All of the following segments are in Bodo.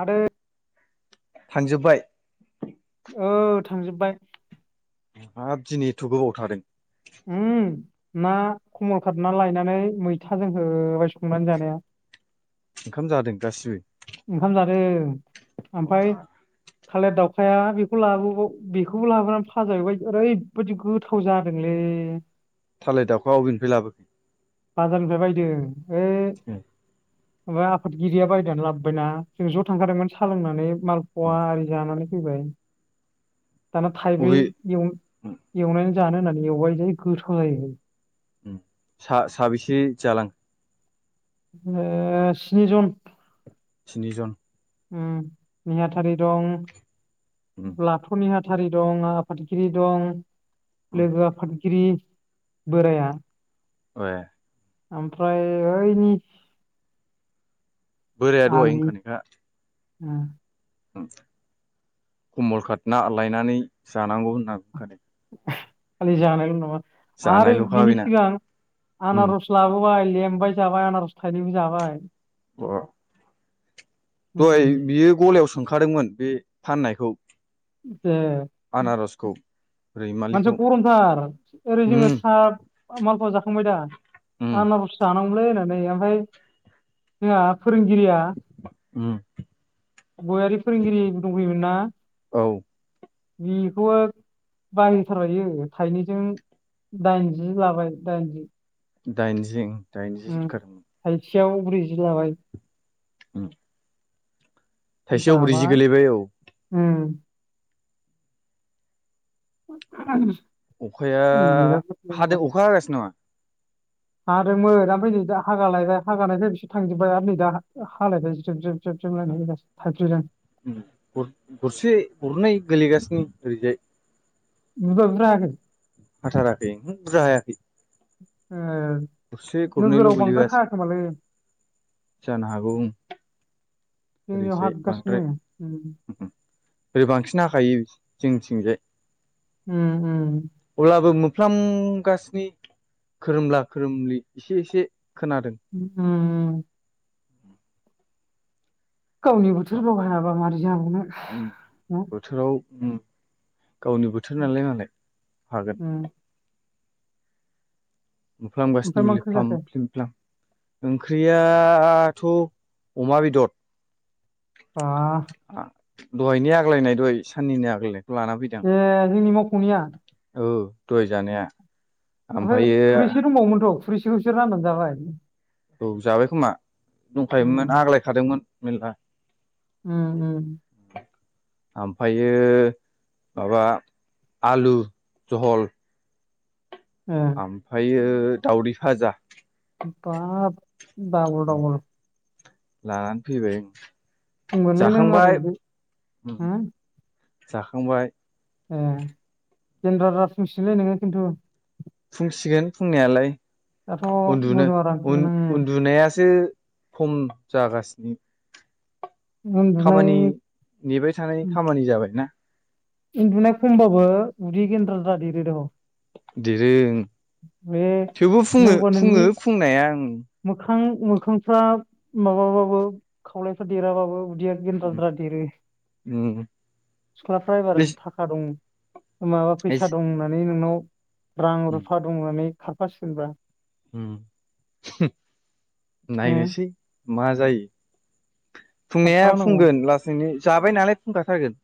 आरो फानजोब्बाय। औ थांजोबबाय। हाब दिनै एथ' गोबाव थादों। उम ना कमल खाना लायनानै मैथाजों होबाय संनानै जानाया। ओंखाम जादों दासो। ओंखाम जादों ओमफाय। थालिर दावखाया बेखौ लाबोबाव बेखौबो लाबोनानै फाजाहैबाय ओरैबायादि गोथाव। गोथाव जादोंलै। थालिर दाउखौ अबेनिफ्राय लाबोखो। बाजारनिफ्राय बायदों ओ माबा आफादगिरिया बायनानै लाबोदों। जाबायना जों ज' थांखादोंमोन सालोंनानै माल औ पवा आरि जानानै फैबाय। दाना थाइब्रै अबे एव एवनानै जानो होननानै एवबाय जा गोथाव जायोलै उम सा साबेसे जालां। ओ स्नि जन। स्नि जन। उम निहाथारि दं ए लाथ' निहाथारि। नेथारि दं आफादगिरि दं लोगो आफादगिरि बोराया। ए ओमफ्राय ओइनि। बोराया दहाय ओंखानायखा। उम। कमल खात ना लायनानै जानांगौ होनना बुंखादों। खालि जानायल' नामा आरो जानायल'खा बिनि बेना सिगां उम आनारस। लाबोबाय लेमबाय जाबाय आनारस थाइनैबो जाबाय। बा। दहाय उम बियो गलायाव सोंखादोंमोन बे फाननायखौ। ए। आनारसखौ। मानसिया रैमालिखौ गरमथार ओरै जोङो उम सा मालफवा जाखांबाय दा। उम आनारस जानांगौमोनलै होननानै ओमफ्राय जोंहा फोरोंगिरिया। उम। गयारि फोरोंगिरि दंफैयोमोन ना औ बिखौवो। बायथारबाय बियो थाइनैजों दाइनजि लाबाय दाइनजि। दाइनजिं दाइनजि जखारोम। थाइथियाव ब्रैजि लाबाय। उम। थाइसेयाव ब्रैजि जाबाय गोलैबाय औ उम। [unintelligible] अखाया बिराद हादो गोथावमोन अखा हागासिनो नामा। हादोंमोन ओमफ्राय नै दा हागा लायबाय हागा हागानायखाय बिसोर थांजोबबाय आरो नै दा हालायबाय ज्रेब ज्रेब। [unintelligible] उम गर गरसे गरनै गोलैगासिनो ओरैजाय। बुरजा बुरजा हायाखै। हाथाराखै उहो बुरजा हायाखै। ए गरसे गरनैल' नोगोराव बांद्राय गोलैगासिनो हायाखोमालै। जानो हागौ ओं जोंनियाव ओरैजाय हागासिनो बांद्राय उम। ओरै बांसिन हाखायो जोंनिथिंजाय उम अब्लाबो मो फ्लामगासिनि खोरोमला खोरोमलि एसे एसे खोनादों ओम गावनि बोथोर गाव हायाबा माबोरै जाबावनो उम न बोथोराव ओम गावनि बोथोर नालाय मालाय हागोन उम मोफ्लम गासिनो ओमफ्राय मा बिलाय ओंख्रि फ्लाम जाखो फ्लिम फ्लाम ओंख्रियाथ' अमा बेदर वाह दहायनि आग्लायनाय दहाय साननिनो आग्लायनायखौ लाना फैदों ए जोंनि मावख'निया औ दहाय जानाया ओमफ्राय ओमफ्रायो खुरैसे दंबावोमोनथ' खुरैसेखौ बिसोर राननानै जाबाय औ जाबाय खोमा उम दंखायोमोन आग्लायखादोंमोन मेरला उम उम आमफायो माबा आलु जहल ए ओमफायो दावदै भाजा बाब दाबल दाबल लानानै फैबाय बुंगोनलै नों ओरै जाखांबाय बे उम हो जाखांबाय ए गेन्द्र द्रा फुंसिगोनलै नोङो खिन्थु फुंसिगोन फुंनायालाय दाथ' उन्दुनो मोदोमा रानखागोन उम उन-उन्दुनायासो खम जागासिनो उन्दुनाय खामानि नेबाय थानायनि खामानि जाबाय ना उन्दुनाय खमबाबो उदै गेन्द्रा द्रा देरो दह' देरो ओं बे थेवबो फुङो नांगौबा नोंनि फुङो फुंनाया ओं मोखां मोखांफ्रा माबाबाबो खावलायफ्रा देराबाबो उदैया ओं गेन्द्राद्रा देरो उम सिख्लाफ्रा एबार थाखा दं माबा फैसा दं होननानै नोंनाव रां रुफा दं होननानै खारफासिगोनब्रा उम ने नायनोसै मा जायो खारफा फुंनाया होनांगौ फुंगोन लासैनो जाबाय नालाय बुंखाथारगोन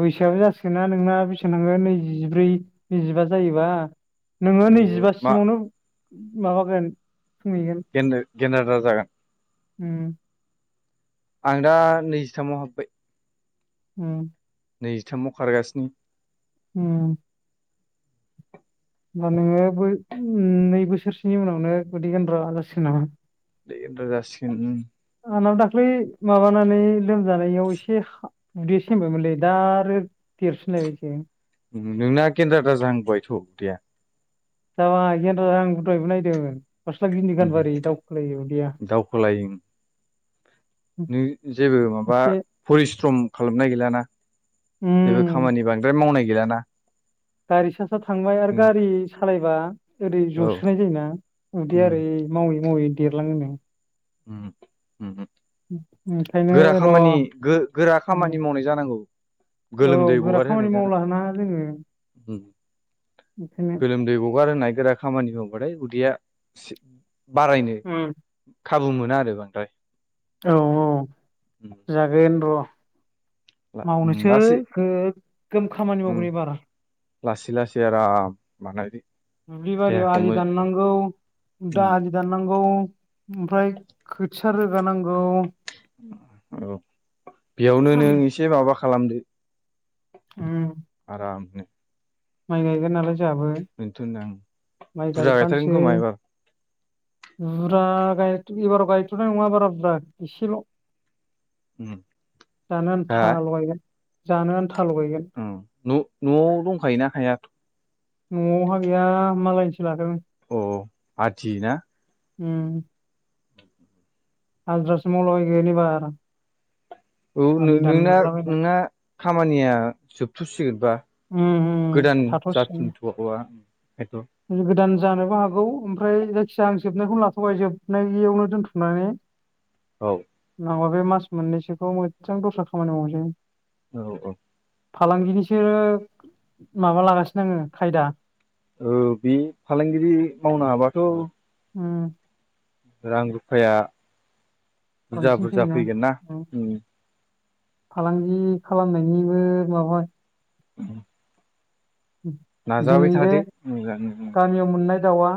बैसोआबो जासिगोन ना नोंना बेैसेबां थांगोन नैजिब्रै नैजिबा जायोबा नोङो ओ मा नैजिबासिमावनो माबागोन फुंहैगोन गेन्दो गेन्द्रा द्रा जागोन उम आं दा नैजिथामाव हाबबाय उम नैजिथामाव खारगासिनो उम होमबा नोङो बो नै बोसोरसोनि उनावनो उदै गन्द्रा जासिगोन नामा उदै गेन्द्रा जासिगोन ओम आंनाबो दाख्लै माबानानै लोमजानायाव एसे हा उदैया सेमबायमोनलै दा आरो देरफिनलायबायसो ओम नोंना गेन्द्रा द्रा जाहांबायथ' उदैया जाबाय गजेन्द्र द्रा आंबो दहैबो नायदोंमोन गस्ला गेन्दि उम गानबा ओरै दावखो लायो उदैया दावखोलायो नों जेबो माबा एसे परिस्रम खालामनाय गैलााना जेबो उम खामानि बा फ्राय मावनाय गैलाना गारि सा सा थांबाय आरो उम गारि सालायबा ओरै औ जसोनाय जायोना उम उदैया ओरै मावै मावै देरलाङो नो उम उम उम ओंखायनो गोरा र' खामानि गो-गोरा उम खामानि मावनाय जानांगौ औ गोलोमदै गोरा खामानि मावलाना जोङो। ओम बिखायनो लोमदै गगार होनाय गोरा खामानि हमबाथाय उदैया बारायनो उम खाबु मोना आरो बांद्राय औ औ जागोन र' मावनोसै लासै गोगोम खामानि मावगोन एबार लासै लासै आराम बानायदी दुब्लि बारियाव आलि दाननांगौ दा दाननांगौ ओमफ्राय खोथिया रोगानांगौ औ बेयावनो नों एसे माबा खालामदो ओम आरामनो माइ गायगोन नालाय जाहाबो बेथ'दों आं बुरजा गायथारगोन खोमा एबार बुरजा एबाराव गायथ'नाय नङा बारा बुरजा एसेल' जानो हा आन्था ल लगायगोन जानो आन्था लगायगोन ओम न' न'आव दंखायोना हायाथ'? न'आव हा गैया मालायनिसो लादों। औ औ आदि ना? ओम हाजदरासो मावलाबायगोन एबार [unintelligible] औ नों आलि नोंना दानलाबायनाय -नोंना खामानिया जोबथ'सिगोनबा उम उम गोदान थाथ'सिगोन जाफिनथ'दवा बेथ' गोदान जानोबो हागौ ओमफ्राय जायखिजाया आं जोबनायखौनो लाथ'बाय जोबनायावनो दोनथुमनानै औ नांगौबा बे मास मोननैसोखौ मोजां दस्रा खामानि मावनोसै औ औ फालांगिनिसो माबा लागासिनो आङो खायदा औ बे फालांगिरि मावनी हाबाथ' ओम रां -रुफाया बुरजा- बांसिन बुरजा फैयोना फैगोन ना उम ओम फालांगि खालामनायनिबो माबा ओम जोंनि बे गामियाव मोननाय दाउआ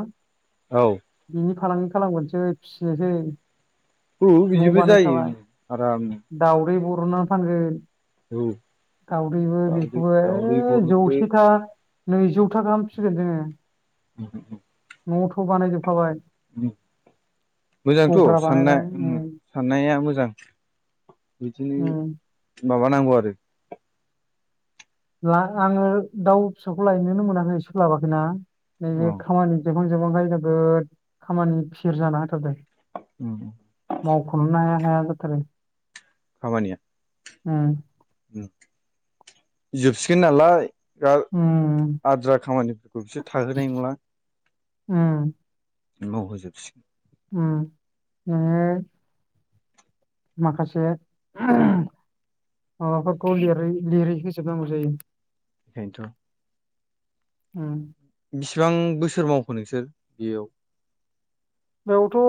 औ बिनि फालांगि खालामग्रोनोसै फिसिनोसै औ बिजोंबो जायो आरामनो दाावदै बरननानै फानगोन औ दावउदैबो दावदै बेखौबो दावदै ओइ बरनदो जौसेथा- नैजौथा गाहाम फिगोन जोङो ओम ओम न'थ' बानायजीबखाबाय ओम मोजांथ' सान्नाया बानायबाय ओम उम साननाया मोजां उम बिदिनो माबानांगौ आरो ब्ला लाङो दाउ फिसाखौ लायनोनो मोनाखै सोलाबाखैना औ नैबे खामानि जोब हां जोबहांखाय जोबोद खामानि फिर जाना होथारदों। उम। मावख'नोनो हाया हाया जाथारो। खामानिया? उम। उम जोबसिगोन नालाय दा उम आद्रा खामानिफोरखौ बिसोर थाहोनाय नंला। उम। मावहोजोबसिगोन। उम नोङो माखासे माबाफोरखौ लिरै लिरै होजोबनांगौ जायो। बेनथ'। उम। बेसिबां बोसोर मावखो नोंसोर बेयाव? बेयावथ'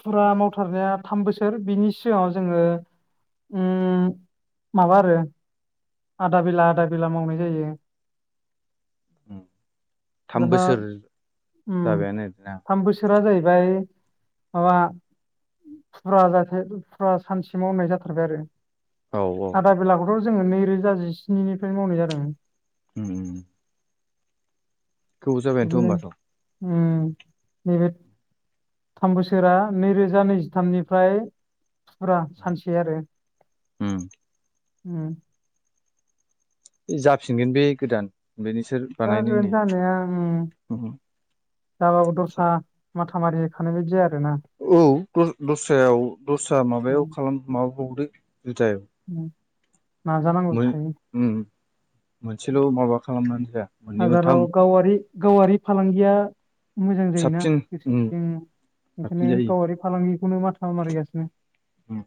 फुरा मावथारनाया थाम बोसोर बिनि सिगाङाव जोङो उम माबा आरो आदा बेला आदा बेला मावनाय जायो। थाम बोसोर [unintelligible] उम जाबायानो आरोना थाम बोसोर आ जाहैबाय माबा फुरा जासे फुरा सानसे मावनाय जाथारबाय आरो। औ आदा बेलाखौथ' जोङो नैरोजा जिस्निनिफ्रायनो मावनाय जादों। उम। जाबायानोथ' बिदिनो होनबाथ' उम नैबे थाम बोसोरा नैरोजा नैजिथामनिफ्राय फुरा सानसे आरो। उम। उम। जाफिनगोन बे गोदान बिनि सोर। जागोन जानाया उम। जाबाबो दस्रा माथा मारि खानाय बायदि जाया आरोना। औ द-दस्रायाव दस्रा उम माबायाव खालाम माबा बावदो जुदायाव। उम नाजानांगौ थायो। उम मोनसेल' माबा खालामनानै जाया मोननै बाजाराव मोनथाम गावारि गावारि फालांगिया मोजां जायोना साबसिन गोसो साबसिन जोंनि ओंखायनो जायो गावारि फालांगिखौनो माथा मारिगासिनो। उम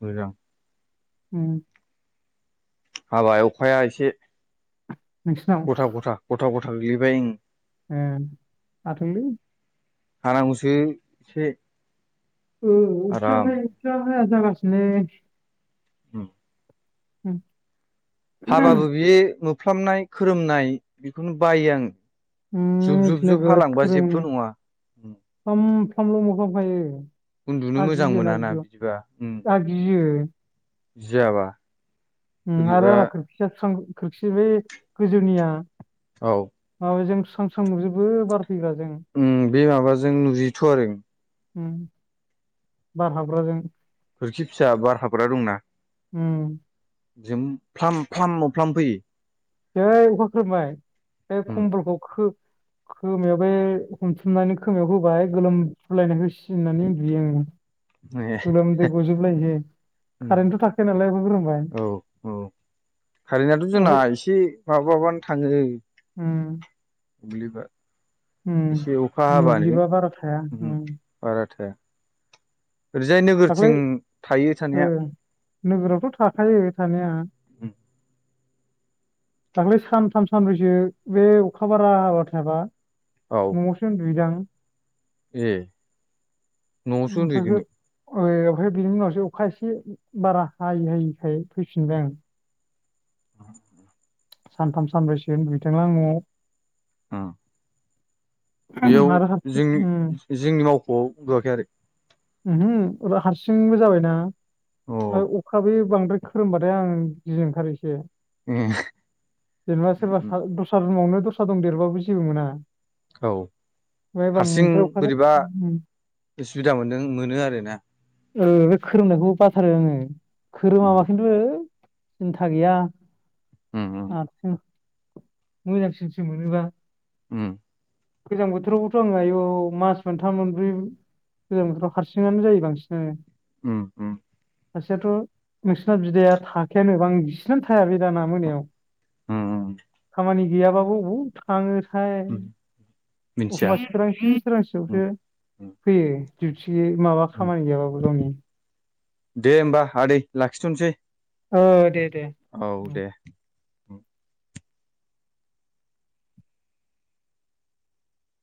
मोजां। उम। हाबाय अखाया एसे। नोंसिनाव गथा गथा, गथा गथा गोग्लैबाय उम। ओ हाथोंलै। हानांगौसो एसे। ओ अखाया आराम हाया अखाया हाया जागासिनोलै। ओम उम हाबाबो बि मोफ्लाबनाय खोरोमनाय बेखौनो बायो आङो। जुब उम -जुब -जुब हालांबा जेबबो नङा। फ्लाम-फ्लामल' मोफ्लाम खायो उन्दुनो मोजां मोनाना बिदिबा उम आं गियो गियाबा उम आरो आंना खोरखिया खां खोरखि बेै गोजौनिया औ औ जों स्रां स्रां नुजोबो बारफैब्ला जों उम बे माबाजों नुजायोथ' आरो उम बार हाबग्राजों खिरखि फिसा बार हाबग्रा दंना? उम जोम फ्लाम फ्लाम मोफ्लाम फैयो? जै अखा खोरोमबाय बे उम खमबलखौ खोब खोमायाव बे हमथुमनानै खोमायाव होबाय गोलोम फुलायनाय होसि होसिननानै उन्दुयो आं गोलोमदै गजोबलायनोसै उम कारेन्टथ' थाखाया नालाय अखा खोरोमबा। औ औ कारेन्टआथ' जोंना ओमफ्राय एसे माबा बानो थाङो। उम जेनेबा इसे अखा उम हाबानो मोब्लिबा बारा थाया उम बारा थाया ओरैजाय दाख्लै नोगोरथिं थायो ओ थानाया नोगोरावथ' थाखायो थानाया। दाख्लै सानथाम सानब्रैसो बे अखा बारा हाबायथाबा। औ न'आवनो उन्दुयो दां ए न'आवसो उम उन्दुहैदों फायसो नों ओ ओमफ्राय बिनि उनावसो अखा एसे बारा हायि हायिखाय फैफिनबाय आं सानथाम सानब्रैसो उन्दुहैदोंलां न'आव उम बेयाव आरो हारसिं जिं उम जिमनि मावख'आव उन्दुवाखै आरो उमहो अब्ला हारसिंबो जाबायना अ आरो अखाबो। बांद्राय खोरोमबाथाय आं गिनो ओंखारो एसे ए जेनबा‌ सोरबा उम सा दस्रा रुमावनो दस्रा दंदेरोब्लाबो जेबो मोना औ ओमफ्राय हारसिं बांद्राय अखा बोरैबा उम, उसुबिदा मोनदों मोनो आरो ना। ओ बे खोरोमनायखौ बाथारो आङो उम खोरोमाबा खिन्थु ओ सिन्था गैया आं उम हारसिं मोजांसिनसो मोनोबा उम गोजां बोथोरावबोथ' आङो आयु मास मोनथाम मोनब्रै ओजों बोथ' हारसिंआनो जायो बांसिनानो उम सासेयाथ' नोंसोरना बिदाया थाखायानो बां जिसिनानो थाया बे दाना मोनायाव उम उम‌ खामानि गैयाबाबो बबाव थाङोथाय उम मिथिया एखमबा सोरांसि उम सोरांसियावसो उम फैयो दिउटि माबा उम खामानि गैयाबाबो गावनि दे होमबा आदै लाखिथ'नोसै। ओ दे दे। औ उम दे।